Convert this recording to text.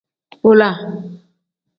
Bola.